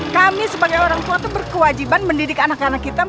kami sebagai orang tua tuh kita bisa menghargai anak anak kita